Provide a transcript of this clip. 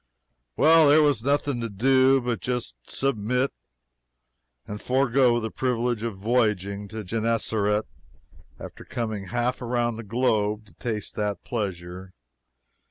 Well, there was nothing to do but just submit and forego the privilege of voyaging on Genessaret, after coming half around the globe to taste that pleasure.